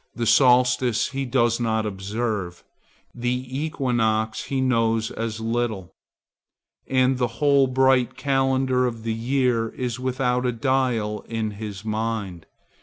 The solstice he does not observe; the equinox he knows as little; and the whole bright calendar of the year is without a dial in his mind.